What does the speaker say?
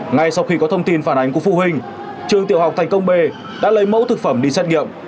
ngay sau khi có thông tin phản ánh của phụ huynh trường tiểu học thành công b đã lấy mẫu thực phẩm đi xét nghiệm